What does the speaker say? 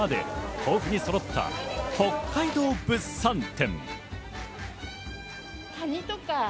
豊富にそろった北海道物産展。